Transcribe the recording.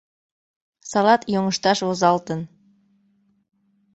Салат йоҥышташ возалтын.